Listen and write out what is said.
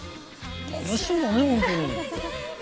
楽しそうだねほんとに！